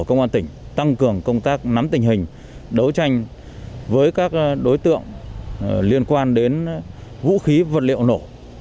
công an tỉnh tăng cường công tác nắm tình hình đấu tranh với các đối tượng liên quan đến vũ khí vật liệu nổ